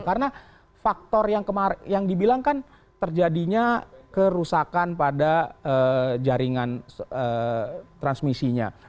karena faktor yang dibilangkan terjadinya kerusakan pada jaringan transmisinya